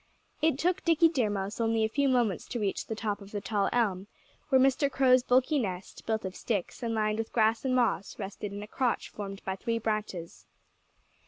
It took Dickie Deer Mouse only a few moments to reach the top of the tall elm, where Mr. Crow's bulky nest, built of sticks and lined with grass and moss, rested in a crotch formed by three branches.